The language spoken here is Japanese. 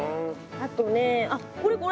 あとねあっこれこれ。